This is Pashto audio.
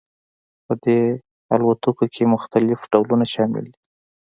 په دې الوتکو کې مختلف ډولونه شامل دي